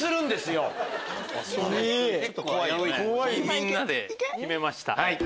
⁉みんなで決めました。